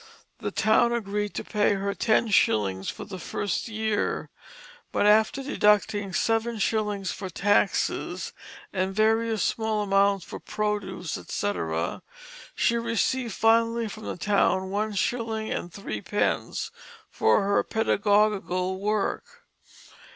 The town agreed to pay her ten shillings for the first year; but after deducting seven shillings for taxes, and various small amounts for produce, etc., she received finally from the town one shilling and three pence for her pedagogical work.